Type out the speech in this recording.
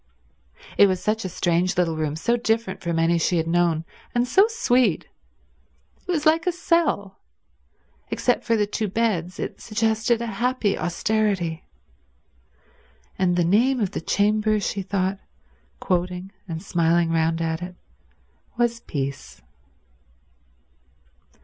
It was such a strange little room, so different from any she had known, and so sweet. It was like a cell. Except for the two beds, it suggested a happy austerity. "And the name of the chamber," she thought, quoting and smiling round at it, "was Peace."